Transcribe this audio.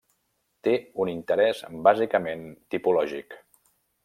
Té un interès bàsicament tipològic.